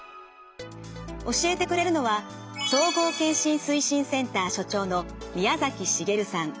教えてくれるのは総合健診推進センター所長の宮崎滋さん。